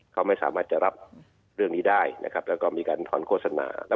เขาไม่สามารถรับแล้วก็มีการทอนโฆษณา